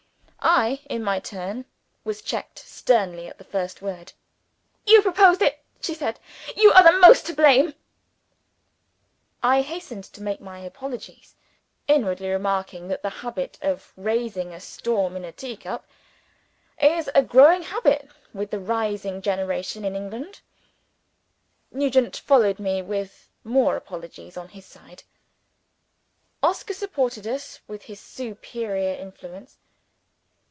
I, in my turn, was checked sternly at the first word. "You proposed it," she said; "You are the most to blame." I hastened to make my apologies (inwardly remarking that the habit of raising a storm in a tea cup is a growing habit with the rising generation in England). Nugent followed me with more apologies on his side. Oscar supported us with his superior influence.